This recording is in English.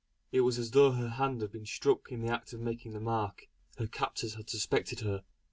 It was as though her hand had been struck in the act of making the mark. Her captors had suspected her.